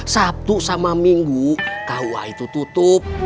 sabtu sama minggu kua itu tutup